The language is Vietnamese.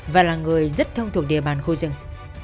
và là người rất thông thuộc địa bàn khu rừng